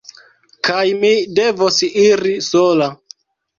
Kaj mi devos iri sola.